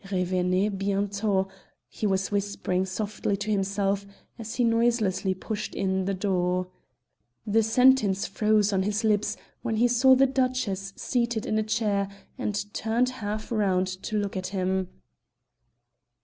"Revenez bientôt" he was whispering softly to himself as he noiselessly pushed in the door. The sentence froze on his lips when he saw the Duchess seated in a chair, and turned half round to look at him.